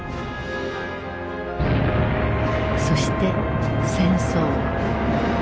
そして戦争。